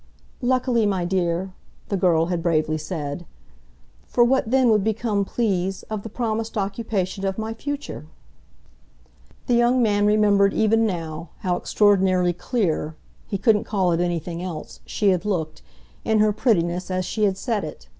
"Luckily, my dear," the girl had bravely said; "for what then would become, please, of the promised occupation of my future?" The young man remembered even now how extraordinarily CLEAR he couldn't call it anything else she had looked, in her prettiness, as she had said it.